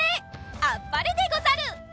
あっぱれでござる！